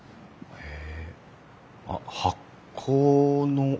へえ。